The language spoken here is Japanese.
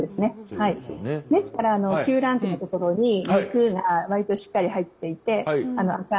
ですから９ランクのところに肉が割としっかり入っていて赤身の。